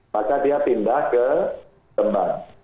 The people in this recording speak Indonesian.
maka dia pindah ke demak